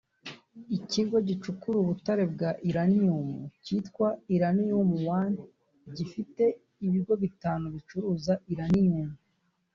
Ikigo gicukura ubutare bwa Uranium kitwa Uranium One gifite ibigo bitanu bicuruza uranium